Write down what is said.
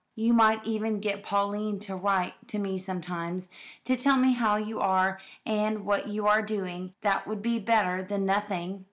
"You might even get Pauline to write to me sometimes, to tell me how you are and what you are doing; that would be better than nothing."